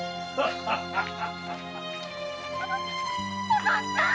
お父っつぁん！